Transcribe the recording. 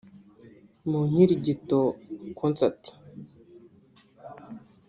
Mu “Inkirigito Concert”